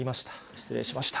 失礼しました。